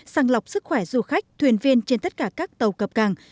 sàng lọc sức khỏe du khách thuyền viên trên tất cả các tàu cập càng